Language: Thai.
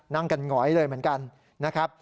นั่งกันหงอยเลยเหมือนกันนะครับ